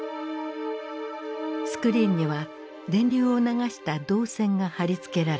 スクリーンには電流を流した導線が貼り付けられていた。